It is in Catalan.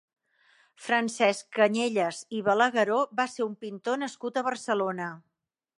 Francesc Canyelles i Balagueró va ser un pintor nascut a Barcelona.